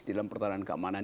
di dalam pertahanan keamanan